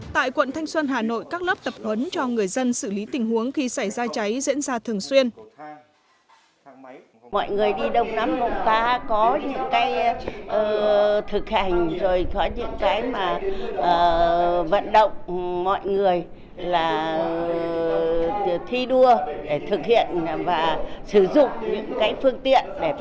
tại quận thanh xuân hà nội các lớp tập huấn cho người dân xử lý tình huống khi xảy ra cháy diễn ra thường xuyên